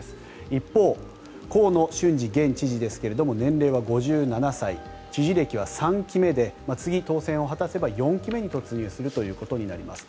一方、河野俊嗣現知事ですが年齢は５７歳知事歴は３期目で次当選を果たせば４期目に突入するということになります。